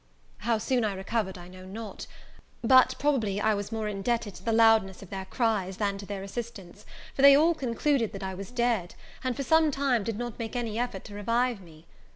How soon I recovered I know not; but, probably I was more indebted to the loudness of their cries than to their assistance; for they all concluded that I was dead, and, for some time, did not make any effort to revive me.